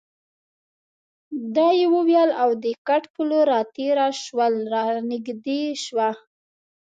دا یې وویل او د کټ په لور راتېره شول، را نږدې شوه.